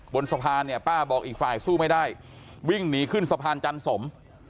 บนสะพานเนี่ยป้าบอกอีกฝ่ายสู้ไม่ได้วิ่งหนีขึ้นสะพานจันสม